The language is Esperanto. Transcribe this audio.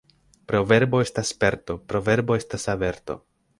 Proverbo estas sperto, proverbo estas averto.